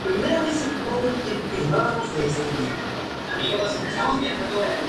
Este grupo fue el germen inicial de la denominada Escuela de Madrid.